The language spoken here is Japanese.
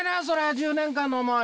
１０年間の思い。